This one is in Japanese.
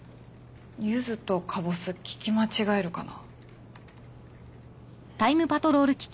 ゆずとかぼす聞き間違えるかな？